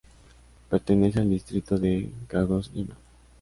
Pertenece al distrito de Kagoshima.